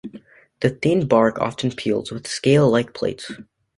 The thin bark often peels with scale-like plates.